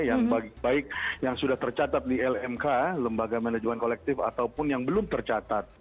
yang baik yang sudah tercatat di lmk lembaga manajemen kolektif ataupun yang belum tercatat